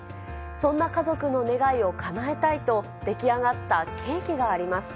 そんな家族の願いをかなえたいと、出来上がったケーキがあります。